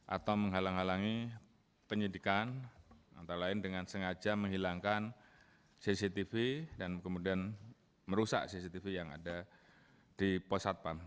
atau menghalang halangi penyidikan antara lain dengan sengaja menghilangkan cctv dan kemudian merusak cctv yang ada di posatpam